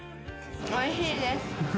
おいしいです。